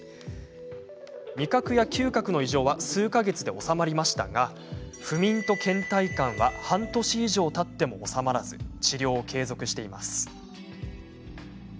味覚や嗅覚の異常は数か月で治まりましたが不眠とけん怠感は半年以上たっても治まらず治療を継続しています。